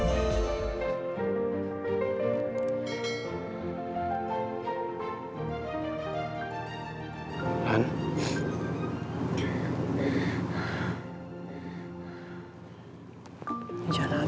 alles baik udah kita lanjutin